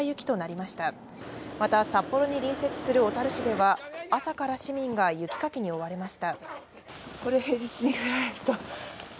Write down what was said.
また札幌に隣接する小樽市では、朝から市民が雪かきに追われました。